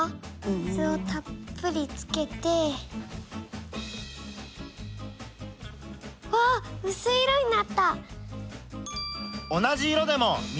水をたっぷりつけて。わうすい色になった！